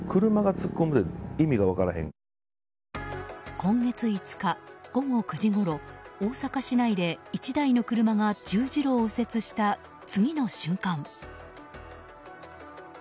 今月５日午後９時ごろ大阪市内で１台の車が十字路を右折した次の瞬間。